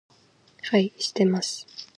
はい。してます。